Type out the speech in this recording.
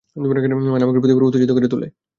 মানে আমাকে প্রতিবার উত্তেজিত করে তোলে।